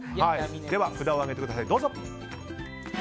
では札を上げてください。